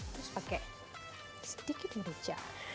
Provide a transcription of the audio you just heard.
terus pakai sedikit merica